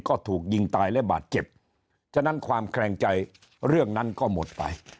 ก็ถูกยิงตายและบาดเจ็บฉะนั้นความแคลงใจเรื่องนั้นก็หมดไป